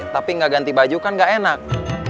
tapi nggak ganti baju kan gak enak